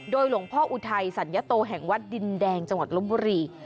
หลวงพ่ออุทัยสัญญโตแห่งวัดดินแดงจังหวัดลบบุรี